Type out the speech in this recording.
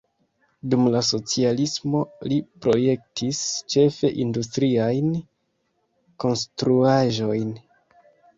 Dum la socialismo li projektis ĉefe industriajn konstruaĵojn.